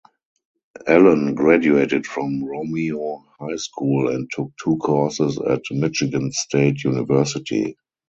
Allen graduated from Romeo High School and took two courses at Michigan State University.